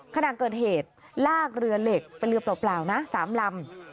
ขณะเกิดเหตุลากเรือเหล็กเป็นเรือเปล่านะ๓ลำ